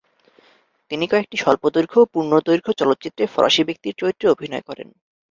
তিনি কয়েকটি স্বল্পদৈর্ঘ্য ও পূর্ণদৈর্ঘ্য চলচ্চিত্রে ফরাসি ব্যক্তির চরিত্রে অভিনয় করেন।